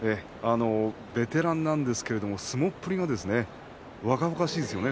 ベテランなんですけれど相撲っぷりは若々しいですよね